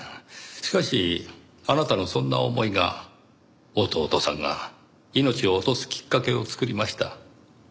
しかしあなたのそんな思いが弟さんが命を落とすきっかけを作りました。